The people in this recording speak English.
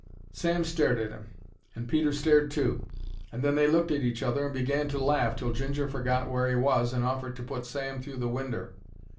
Sam stared at 'im, and Peter stared too, and then they looked at each other and began to laugh till Ginger forgot where 'e was and offered to put Sam through the winder.